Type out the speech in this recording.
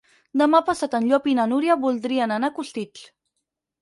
Demà passat en Llop i na Núria voldrien anar a Costitx.